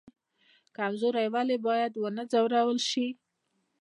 کمزوری ولې باید ونه ځورول شي؟